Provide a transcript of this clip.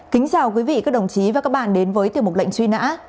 kính chào quý vị các đồng chí và các bạn đến với tiểu mục lệnh truy nã